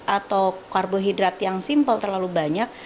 atau karbohidrat yang simple terlalu banyak